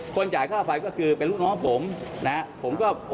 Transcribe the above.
จ่ายค่าไฟก็คือเป็นลูกน้องผมนะครับ